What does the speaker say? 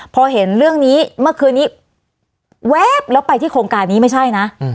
พอเห็นเรื่องนี้เมื่อคืนนี้แว๊บแล้วไปที่โครงการนี้ไม่ใช่นะ